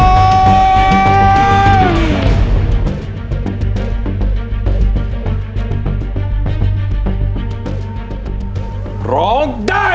ร้องได้ร้องได้